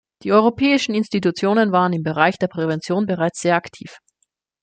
Die europäischen Institutionen waren im Bereich der Prävention bereits sehr aktiv.